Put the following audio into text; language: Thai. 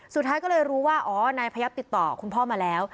สุดท้ายก็เลยรู้ว่าอ๋อนายพยับติดต่อคุณพ่อมาแล้ว